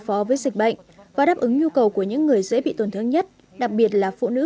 phó với dịch bệnh và đáp ứng nhu cầu của những người dễ bị tổn thương nhất đặc biệt là phụ nữ